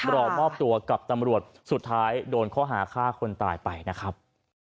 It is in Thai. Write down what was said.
รอมอบตัวกับตำรวจสุดท้ายโดนข้อหาฆ่าคนตายไปนะครับ